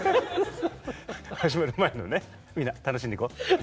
始まる前のね「みんな楽しんでいこう」みたいな。